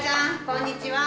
こんにちは。